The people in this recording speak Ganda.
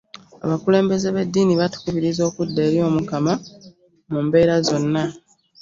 Abakulembezze b'eddini batukubiriza okudda eri omukama mu mbeera zonna.